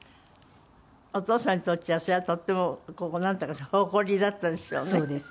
お父さんにとってはそれはとってもこうなんていうのかしら誇りだったでしょうね。